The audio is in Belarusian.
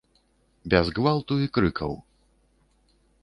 Без гвалту і крыкаў.